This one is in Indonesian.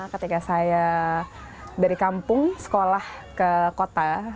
ketika saya dari kampung sekolah ke kota